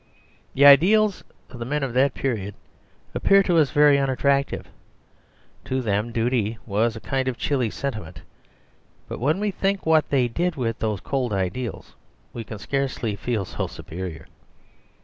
The ideals of the men of that period appear to us very unattractive; to them duty was a kind of chilly sentiment. But when we think what they did with those cold ideals, we can scarcely feel so superior.